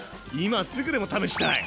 今すぐでも試したい！